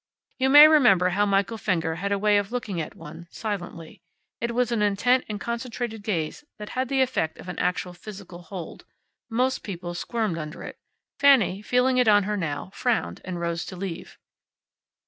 You may remember how Michael Fenger had a way of looking at one, silently. It was an intent and concentrated gaze that had the effect of an actual physical hold. Most people squirmed under it. Fanny, feeling it on her now, frowned and rose to leave.